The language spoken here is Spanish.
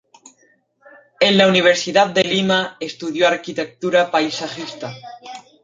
En la Universidad de Lima estudió Arquitectura Paisajista.